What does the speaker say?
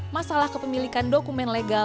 masalah kepemilikan dokumen legal